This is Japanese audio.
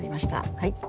はい。